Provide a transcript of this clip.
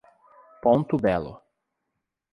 Ponto Belo